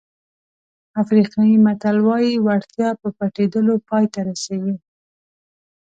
افریقایي متل وایي وړتیا په پټېدلو پای ته رسېږي.